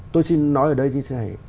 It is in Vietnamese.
tôi xin nói ở đây như thế này